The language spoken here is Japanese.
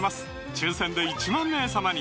抽選で１万名様に！